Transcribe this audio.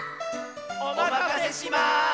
おまかせします！